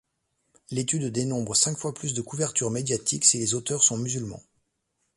L'étude dénombre cinq fois plus de couverture médiatique si les auteurs sont musulmans.